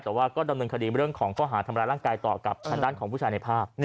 แต่ว่าก็ดำเนินคดีเรื่องของข้อหาทำร้ายร่างกายต่อกับทางด้านของผู้ชายในภาพ